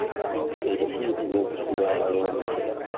Ekyo kiyitibwa okusiba abolongo.